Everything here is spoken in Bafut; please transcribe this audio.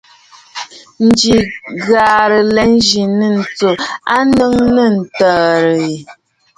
Ǹjə̀ə̀ ghɨ̀rə nlɛ yi ŋù tsù a nɔʼɔ̀ nɨ̂ ǹtɔ̀ŋə̂ yi.